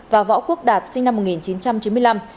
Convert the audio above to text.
và võ quốc đạt sinh năm một nghìn chín trăm chín mươi năm